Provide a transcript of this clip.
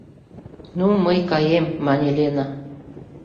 — Ну, мый каем, — мане Лена.